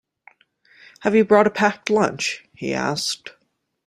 Have you brought a packed lunch? he asked